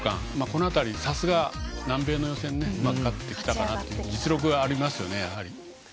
この辺り、さすが南米の予選を勝ってきた実力がありますね。